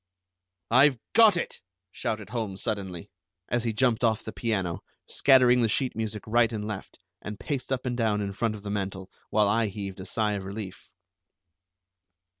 "I've got it!" shouted Holmes suddenly, as he jumped off the piano, scattering the sheet music right and left, and paced up and down in front of the mantel, while I heaved a sigh of relief.